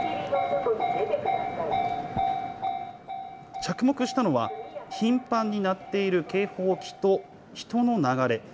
着目したのは、頻繁に鳴っている警報機と人の流れ。